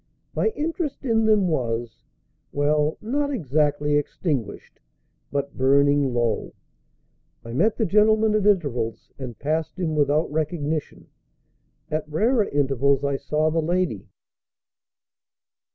My interest in them was well, not exactly extinguished, but burning low. I met the gentleman at intervals, and passed him without recognition; at rarer intervals I saw the lady.